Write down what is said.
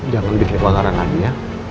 jangan bikin kewarangan lagi ya